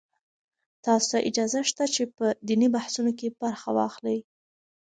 تاسو ته اجازه شته چې په دیني بحثونو کې برخه واخلئ.